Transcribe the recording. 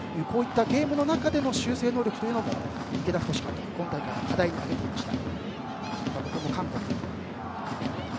ゲームの中での修正能力というのも池田太監督は今大会の課題に挙げていました。